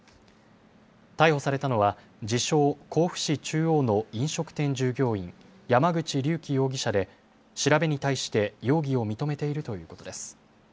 逮捕されたのは自称、甲府市中央の飲食店従業員、山口竜己容疑者で調べに対して容疑を認めているということです。